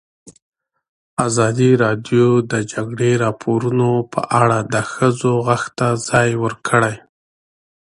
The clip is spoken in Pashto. ازادي راډیو د د جګړې راپورونه په اړه د ښځو غږ ته ځای ورکړی.